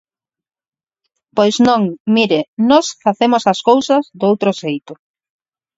Pois non, mire, nós facemos as cousas doutro xeito.